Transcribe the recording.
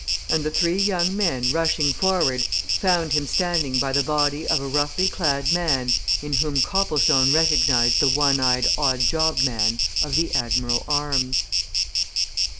and the three young men rushing forward found him standing by the body of a roughly clad man in whom Copplestone recognized the one eyed odd job man of the "Admiral's Arms."